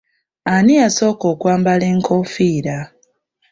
Ani yasooka okwambala enkoofiira?